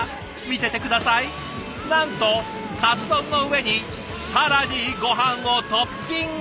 なんとカツ丼の上に更にごはんをトッピング。